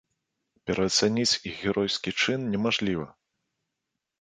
Пераацаніць іх геройскі чын немажліва.